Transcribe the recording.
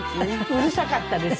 うるさかったでしょ。